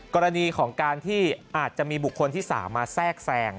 กรณีของการที่อาจจะมีบุคคลที่๓มาแทรกแทรง